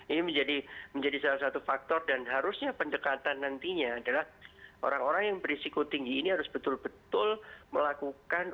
ini menjadi salah satu faktor dan harusnya pendekatan nantinya adalah orang orang yang berisiko tinggi ini harus betul betul melakukan